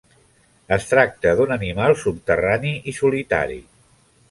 Es tracta d'un animal subterrani i solitari.